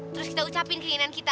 terus kita ucapin keinginan kita